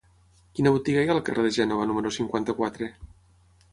Quina botiga hi ha al carrer de Gènova número cinquanta-quatre?